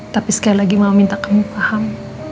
tapi sekali lagi malah minta kamu paham